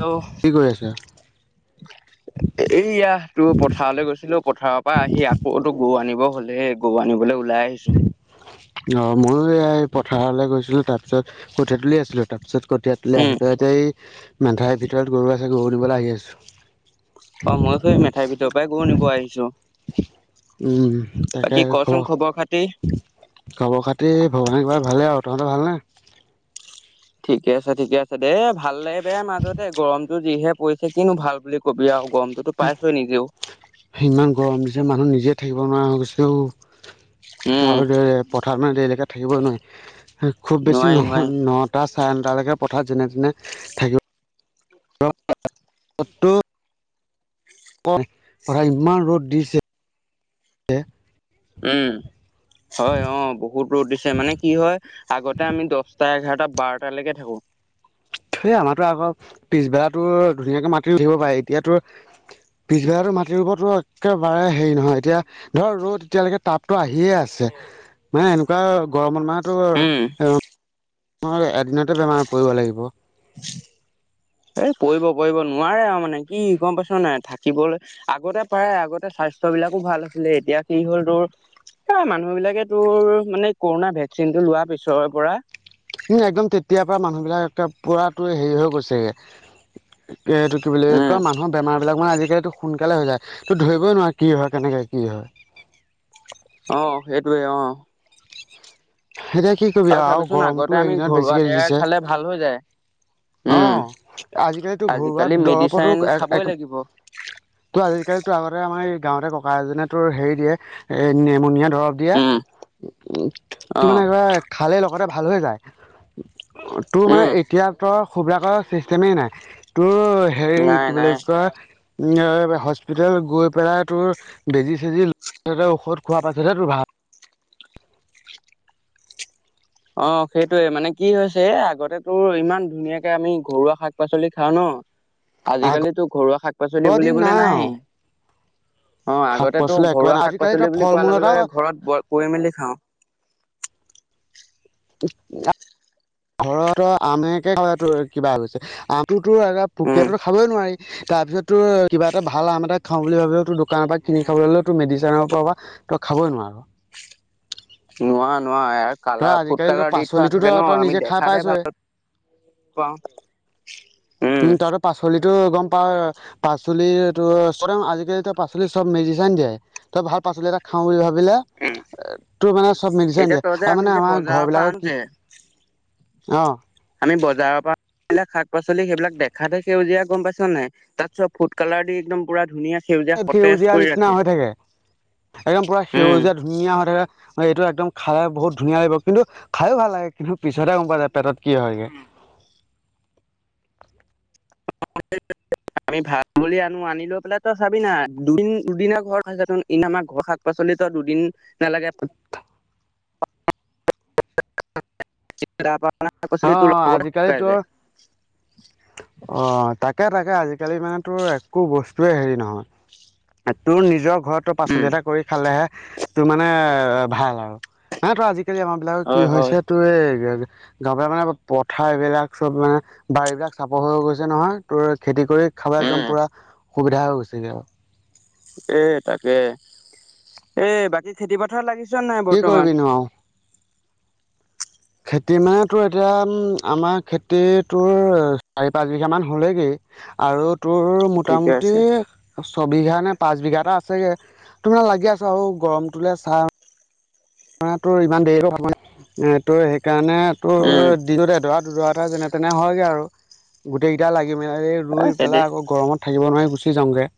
Hello! কি কৰি আছা? এইয়া তোৰ পথাৰলৈ গৈছিলোঁ পথাৰৰ পৰা আহি আকৌতো গৰু আনিব হ'লেহ গৰু আনিবলৈ ওলাই আহিছোঁ। অঁ ময়ো এই পথাৰলৈ গৈছিলো তাৰ পিছত কঠিয়া তুলি আছিলোঁ। তাৰ পিছত কঠীয়া তুলি উম আহি পেলাই যে এই মেঠাৰি ভিতৰত গৰু আছে গৰু দিবলৈ আহি আছোঁ। অঁ মই কৈ মেঠাই ভিতৰ পৰাই গৰু নিব আহিছোঁ। উমঁ তাকে খোৱা। তেই- খবৰ খাতি ভগৱানে কোৱাই ভালে আৰু তহঁতৰ ভাল নে? ঠিকে আছে ঠিকে আছে দে ভাল লাগে বে মাজতে গৰমতটো যিহে পৰিছে কিনো ভাল বুলি কবি আৰু গৰমটো। টো পাইছই নিজেও। ইমান গৰম দিছে মানুহ নিজে থাকিব নোৱাৰা হৈ গৈছেও উম আৰু দে। পথাৰত মানে দেৰিলৈকে থাকিবই নোৱাৰি খুব বেছি নোৱাৰি ন নোৱাৰি নটা। নটা চাৰে নটালৈকেতো পথাৰত যেনে তেনে থাকিব লাগিবতো। পট পথাত ইমান ৰ'দ দিছে। উম, হয়। অ, বহুত ৰ'দ দিছে মানে কি হয়। আগতে আমি দহটা, এঘাৰটা, বাৰটালৈকে থাকো। সেই আমাৰটো আকৌ, পিছবেলাতো ধুনীয়াকে মাটি ৰুই থাকিব পাৰে। এতিয়াতো পিছবেলা মাটি ৰুবটো একেবাৰে হেৰি নহয়। এতিয়া ধৰ ৰ'দ এতিয়ালৈকে তাপটো আহিয়ে আছে। মানে এনেকুৱা গৰমত মাহ উম টো এদিনতে বেমাৰ পৰিব লাগিব। এ পৰিব- পৰিব নোৱাৰে আৰু মানে। কি গম পাইছ ন, থাকিবলৈ আগতে পাৰে, আগতে স্বাস্থ্য বিলাকো ভাল আছিলে। এতিয়া কি হ'ল তোৰ মানুহ বিলাকে তোৰ মানে কৰোণনা ভেকচিনটো লোৱাৰ পিছৰ পৰা একদম তেতিয়াৰ পৰা মানুহবিলাক, পুৰাতো হেৰি হৈ গৈছেগে। এইটো কি বুলি উম কয়, মানুহৰ বেমাৰ এইবিলাক মানে আজিকালিতো সোনকালে হৈ যায়। তো ধৰিবই নোৱাৰাৰে কি হয়, কেনেকে কি হয়? অ, সেইটোয়ে, অ। এতিয়া কি কৰিবি আৰু। চাবিচোন আগতে গৰমটো এই আমি কেইদিনত ঘৰুৱা বেছিকে দি দৰৱ দিছে। খালে ভাল হৈ যায় অ, উম আজিকালিতো ঘৰুৱা আজিকালি দৰৱতো মেডিচিন এক- খাবই এক লাগিব তো, আজি কালিটো আগতে আমাৰ এই গাঁৱতে ককা এজনে তোৰ হেৰি দিয়ে। এ নেমুনিয়া দৰৱ দিয়ে, উম উম। অ তোৰ মানে একেবাৰে খালে লগতে ভাল হৈ যায়। তোৰ মানে উম এতিয়া তই খুব্ৰাকৰ চিষ্টেমেই নাই। তোৰ হেৰি নাই কি বুলি নাই কয় হস্পিতাল গৈ পেলাই তোৰ, বেজি- চেজি লৈ ঔষধ খোৱা পাছতহে তোৰ ভাল। অ, সেইটোয়ে মানে কি হৈছে। এ আগতেতো ইমান ধুনীয়াকে আমি ঘৰুৱা শাক- পাচলি খাওঁ ন। [inaudible] আজি কালিতো ঘৰুৱা শাক- পাচলি আগৰ দিন বুলিবলে নাই। আৰু অ, শাক আগতেতো পাচলি একেবাৰে ঘৰুৱা নাই শাক- আজিকালি তই পাচলি বুলি ফল কোৱাৰ মূল লগে এটা লগে ঘৰত, ব' কৰি মেলি খাওঁ। আম, ঘৰত আমেকে কিবা হৈছে, আম আমটোতো এ উম পুকীয়াটো খাবই নোৱাৰি। তাৰপিছত তোৰ কিবা এটা ভাল আম এটা খাওঁ বুলি ভাবিলও, তোৰ দোকানৰ পৰা কিনি খাবলৈলে তোৰ মেডিচিনৰ পৰা বা তই খাবই নোৱাৰো। নোৱাৰ- নোৱাৰ এই তই কালাৰ ফুড আজিকালি তই কালাৰ দি থোৱা পাচলিতো থাকে তই ন। তই আমি নিজে খাই দেখাতহে পাইছই ভাল পাওঁ। উম। তাৰপাছত, পাচলিটো গম পাওঁ, পাচলিটো চব আজি কালিতো পাচলিত চব মেডিচাইন দিয়ে। তই ভাল পাচলি এটা খাও বুলি ভাবিলে, তোৰ মানে চব মেডিচিন তেতিয়া দিয়ে। তই যে আৰু আমি মানে যে আমাৰ বজাৰৰ পৰা ঘৰবিলাকৰ আনো কি, যে অ। আমি বজাৰৰ পৰা এইবিলাক শাক-পচলি সেইবিলাক দেখাত হে সেউজীয়া, গম পাইছা নাই। তাত চব ফুড কালাৰ দি একদম পুৰা ধুনীয়া সেউজীয়া সতেজ সেউজীয়া কৰি নিচিনা ৰাখে হৈ থাকে। একদম পুৰা উম সেউজীয়া ধুনীয়া হয় থাকে। মানে এইটো একদম খালে বহুত ধুনীয়া লাগিব। কিন্তু খাইয়ো ভাল লাগে, কিন্তু পিছতহে গম পোৱা যায় পেটত কি হয়গে। আমি ভাল বুলি আনো, আনি লৈ পেলাই তো চাবি না। দুদিন- দুদিমান ঘৰত আনিছা চাচোন ই আমাৰ ঘৰ পাচলিত দুদিন নালাগে। [unintelligible] অ, লগতে আজিকালি শুকাই তোৰ, যায় অ, তাক তাকে- তাকে আজি কালি মানে তোৰ একো বস্তুয়ে হেৰি নহয়। তোৰ নিজৰ ঘৰত তোৰ পাচলি উম এটা কৰি খালেহে তোৰ মানে এ ভাল হয় আৰু। নহলে তোৰ আজিকালি আমাৰ কি হয় হয় হৈছে তোৰ এই [unintelligible] [unintelligible] মানে, পথাৰ এইবিলাক চব মানে, বাৰীবিলাক চাপৰ হৈ গৈছে নহয়। তোৰ খেতি কৰি খালে একদম উম, পূৰা সুবিধা হৈ গৈছেগে আৰু। এই, তাকে! এই, বাকী খেতি পথাৰত লাগিছ নাই, কি বৰ্তমান? কৰিবিনো আৰু খেতি মানে, তোৰ এতিয়া, আমাৰ খেতি তোৰ, চাৰি-পাঁচ বিঘামান হ'লেগেই। আৰু তোৰ ঠিকে মোটামুটি আছে ছবিঘা নে পাঁচ বিঘা এটা আছেগে। [unintelligible] লাগি আছোঁ আৰু গৰমটোলে [unintelligible] মানে, তোৰ, ইমান দেৰি [unintelligible] এ, তোৰ, সেইকাৰণে তোৰ, উম, দিনত এদৰা-দুধৰা এটা যেনে তেনে হয়গে আৰু। গোটেইকেইটা লাগি, মেলি এ ৰুই খেতি পেলাই আকৌ, গৰমত থাকিব নোৱাৰি, গুচি যাওঁগে।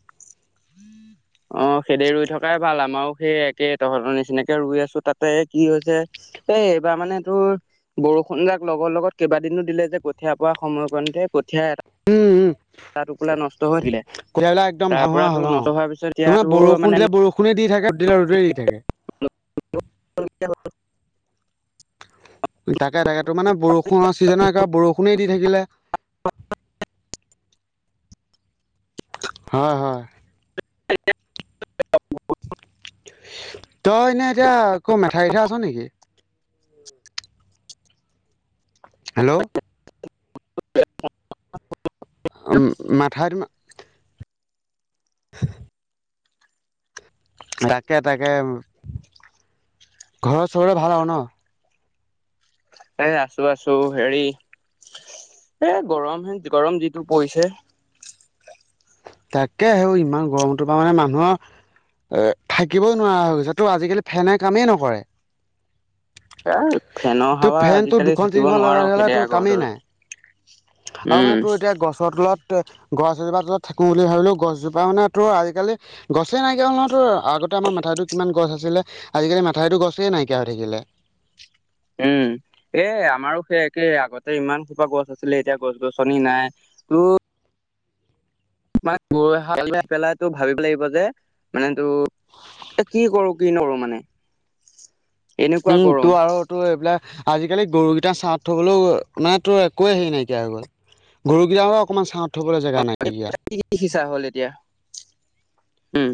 অ'! খেদি ৰুই থকাই ভাল। আমাৰো সেই একেই, তহঁতৰ নিচিনাকে ৰোই আছোঁ। তাতে কি হৈছে, এই, এইবাৰ মানে তোৰ বৰষুণ যাক লগৰ লগত, কেইবাদিনো দিলে যে, কঠীয়া পৰা সময়কণতে। কঠীয়া, উম উম এটা টোপোলা নষ্ট হৈ থাকিলে। কঠীয়াবিলাক একদম ভাল তাৰপৰা হোৱা তোৰ, হ'ল অ নষ্ট হোৱাৰ পিছত এতিয়া তোমাৰ তোৰ মানে বৰষুণ দিলে, বৰষুণে দি থাকে। ৰ'দ দিলে, ৰ'দে দি থাকে। [unintelligible] তাকে-তাকে, ত' মানে, বৰষুণৰ ছিজনত একেবাৰে বৰষুণে দি থাকিলে। হয়, হয়। তই এনেই এতিয়া, আকৌ মেথাৰিতহে আছ নেকি? হেল্ল'? অ'! মেথা [unintelligible] তাকে-তাকে, ঘৰৰ-চৰৰ ভাল আৰু ন'? এ, আছোঁ-আছোঁ। সেৰি, এ, গৰমহে, গৰম যিটো পৰিছে! তাকে, [unintelligible] ইমান গৰম! তোমাৰ মানে, মানুহৰ থাকিবই নোৱাৰা হৈ গৈছে। ত' আজিকালি, ফেনে কামেই নকৰে। এ ফেনৰ [unintelligible] তো হাৱা ফেনটো, আজিকালি থাকিব দুখন-তিনিখন নোৱাৰ লগাই ল'লে, খেদে তোৰ আগৰ কামেই দৰে নাই। আৰু উম। মানে, তোৰ এতিয়া, গছৰ তলত, গছ এজোপা তলত থাকোঁ বুলি ভাবিলোঁ, গছজোপা মানে, তোৰ আজিকালি, গছেই নাইকিয়া হ'ল নহয়, তোৰ। আগতে, আমাৰ মেথাউৰিটো কিমান গছ আছিলে। আজিকালি, মেথাউৰিটো গছেই নাইকিয়া, হৈ থাকিলে। উম। এ, আমাৰো সেই একে। আগতে, ইমান সোপা গছ আছিলে, এতিয়া গছ-গছনি নাই। তো [unintelligible] পেলাইটো ভাবিব লাগিব যে, মানে তো এ, কি কৰোঁ, কি নকৰোঁ মানে! এনেকুৱা উম, গৰম তো আৰু তোৰ এইবিলাক, আজিকালি গৰুকেইটা ছাঁহত থবলৈও, মানে তোৰ, একোৱে সেৰি নাইকিয়া হৈ গ'ল। গৰুকেইটাও অকমান ছাঁহত থ'বলে জেগা নাইকিয়া। কি কি সিচা হ'ল, এতিয়া? উম।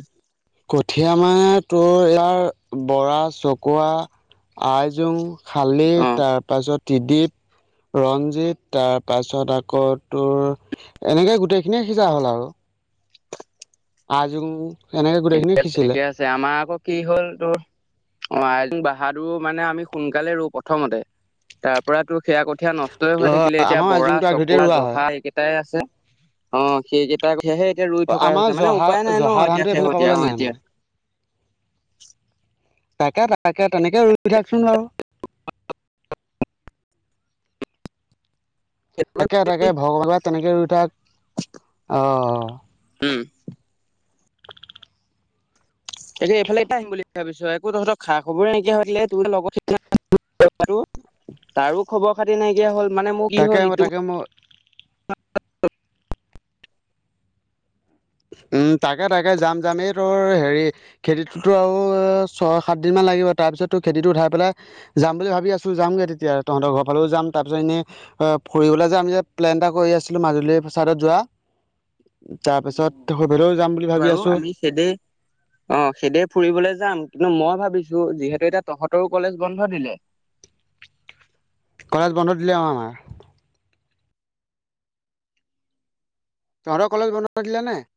কঠীয়া আমাৰ, তোৰ ইয়াৰ, বৰা, চকোৱা, আইজোং, শালি, অ', তাৰপাছত [unintelligible] ৰঞ্জিত, তাৰপাছত আকৌ তোৰ, এনেকে গোটেই খিনিয়ে সিচা হ'ল আৰু। আইজোং। ঠিকে আছে, ঠিকে আছে। আমাৰ আকৌ, কি হ'ল তোৰ, অ'! আইজোং, বাহাদুৰ মানে, আমি সোনকালে ৰোওঁ প্ৰথমতে। তাৰ পৰাতো, সেয়া কঠীয়া নষ্টই হৈ অ থাকিলে। এতিয়া, আমাৰ বৰা, আজোংটো আগধৰিতে চকোৱো, ৰোৱা হয় জহা এই কেইটাই আছে। অ'! সেইকেইটা কঠীয়াহে এতিয়া, ৰুই থকা হৈছে। মানে, উপায় নাই ন' এতিয়া! শেহতীয়া পাবলে হ'ল নাই এতিয়া মানে। তাকে তাকে তেনেকে ৰুই থাকচোন বাৰু তাকে তাকে ভগৰোৱা তেনেকে ৰুই থাক অঁ উম এদিন এইফালে এটা আহিম বুলি ভাবিছো একো তহঁৰ খবৰে নকিয়া হৈ থাকিলে তো লগ তাৰো খবৰ খাতি নাইকিয়া হ'ল মানে মোৰ কি তাকে হ'ল ইটো তাকে মই উম তাকে তাকে যাম যামেই তোৰ হেৰি খেতিটোতো আৰু ছয়, সাত দিন মান লাগিব তাৰপিছ তু খেতিটো উঠাই পেলাই যাম বুলি ভাবি আছো যামগে তেতিয়া তহঁতৰ ঘৰ ফালেও যাম তাৰ পিছত এনেই ফুৰিবলৈ যে আমি যে প্লেন এটা কৰি আছিলো মাজুলীৰ চাইদত যোৱা তাৰপিছত তহঁতৰ ফালেও যাম বুলি ভাবি বাৰু আছো আমি খেদে অ খেদে ফুৰিবলে যাম কিন্তু মই ভাবিছোঁ যিহেতু এতিয়া তহঁতৰো কলেজ বন্ধ দিলে কলেজ বন্ধ দিলে আৰু আমাৰ তহঁতৰ কলেজ বন্ধ দিলে নাই?